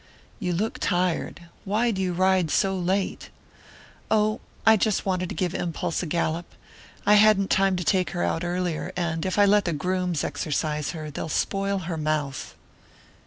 "You look tired. Why do you ride so late?" "Oh, I just wanted to give Impulse a gallop. I hadn't time to take her out earlier, and if I let the grooms exercise her they'll spoil her mouth."